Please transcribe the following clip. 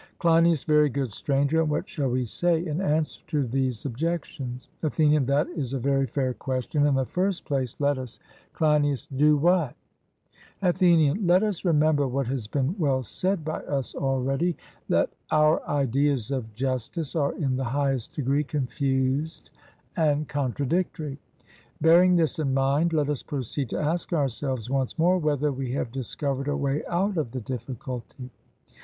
CLEINIAS: Very good, Stranger; and what shall we say in answer to these objections? ATHENIAN: That is a very fair question. In the first place, let us CLEINIAS: Do what? ATHENIAN: Let us remember what has been well said by us already, that our ideas of justice are in the highest degree confused and contradictory. Bearing this in mind, let us proceed to ask ourselves once more whether we have discovered a way out of the difficulty.